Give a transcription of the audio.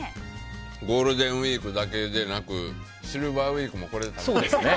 ゴールデンウィークだけでなくシルバーウィークもこれ食べたいですね。